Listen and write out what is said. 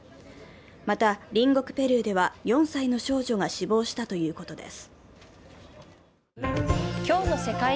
また、隣国ペルーでは４歳の少女が死亡したということです。